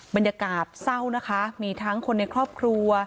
บรรยากาศเศร้านะคะมีทั้งคนในครอบครัว